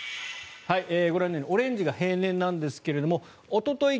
ご覧のようにオレンジが平年なんですがおととい